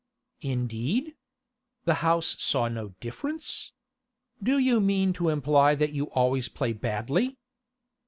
'Indeed? The house saw no difference? Do you mean to imply that you always play badly?